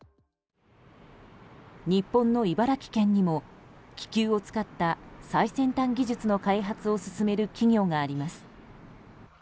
日本の茨城県にも気球を使った最先端技術の開発を進める企業があります。